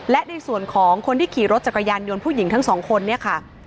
และในส่วนของคนที่ขี่รถจักรยานยนต์ผู้หญิงทั้งสองคนเนี่ยค่ะ